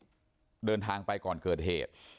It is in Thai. วันนี้เดินทางไปก่อนเกิดเหตุ